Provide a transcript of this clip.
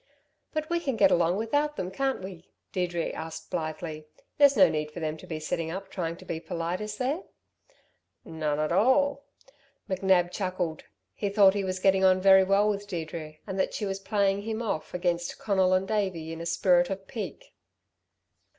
"But we can get along without them, can't we?" Deirdre asked blithely. "There's no need for them to be sitting up trying to be polite, is there?" "None at all." McNab chuckled. He thought he was getting on very well with Deirdre and that she was playing him off against Conal and Davey in a spirit of pique.